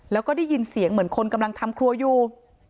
แล้วก็ได้ยินเสียงเหมือนคนกำลังทำครัวอยู่